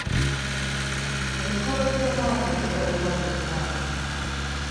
Emikolo gy'omwaka gikolebwa buli mwaka.